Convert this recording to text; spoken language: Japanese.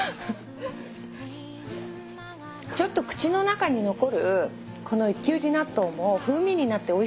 ちょっと口の中に残るこの一休寺納豆も風味になっておいしいですね。